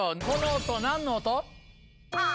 この音なんの音